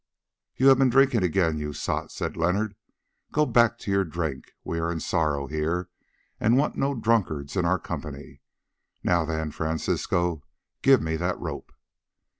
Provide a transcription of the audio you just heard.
"You have been drinking again, you sot," said Leonard. "Go back to your drink; we are in sorrow here and want no drunkards in our company. Now then, Francisco, give me that rope."